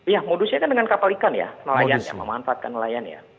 ya modusnya kan dengan kapal ikan ya nelayan ya memanfaatkan nelayan ya